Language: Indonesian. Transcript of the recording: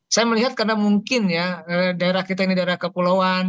saya melihat karena mungkin ya daerah kita ini daerah kepulauan